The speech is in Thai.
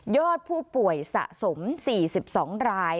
อดผู้ป่วยสะสม๔๒ราย